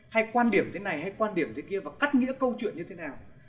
hay quan điểm thế này hay quan điểm thế kia và cắt nghĩa câu chuyện như thế nào